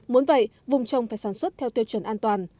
muốn vậy vùng trồng phải sản xuất theo tiêu chuẩn an toàn